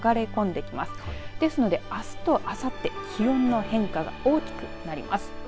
ですのであすとあさって、気温の変化が大きくなります。